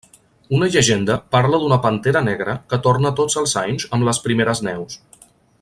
Una llegenda parla d'una pantera negra que torna tots els anys amb les primeres neus.